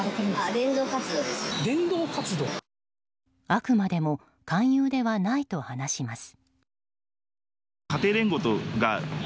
あくまでも勧誘ではないと話します。